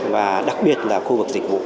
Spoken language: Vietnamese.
và đặc biệt thuộc là khu vực dịch vụ